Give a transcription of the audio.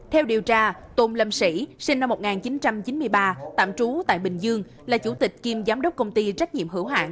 theo điều tra tôn lâm sĩ sinh năm một nghìn chín trăm chín mươi ba tạm trú tại bình dương là chủ tịch kiêm giám đốc công ty trách nhiệm hữu hạng